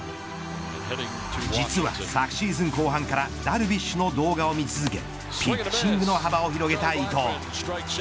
実は昨シーズン後半からダルビッシュの動画を見続けピッチングの幅を広げた伊藤。